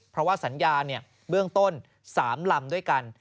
เพราะว่าสัญญาเบื้องต้น๓ลำด้วยกัน